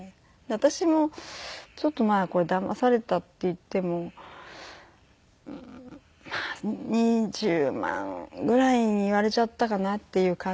私もちょっとこれだまされたっていっても２０万ぐらいに言われちゃったかなっていう感じだったんです。